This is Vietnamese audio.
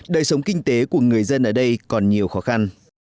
đời sống kinh tế của người dân ở đây còn nhiều khó khăn